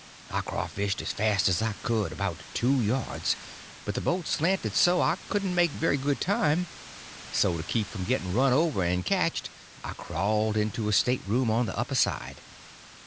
I crawfished as fast as I could about two yards, but the boat slanted so that I couldn't make very good time; so to keep from getting run over and catched I crawled into a stateroom on the upper side.